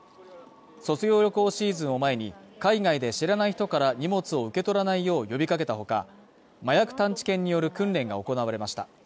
卒業旅行シーズンを前に海外で知らない人から荷物を受け取らないよう呼び掛けたほか、麻薬探知犬による訓練が行われました。